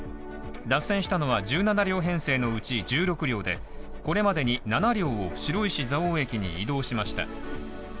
脱線したのは１７両編成のうち１６両で、これまでに７両を白石蔵王駅に移動しました。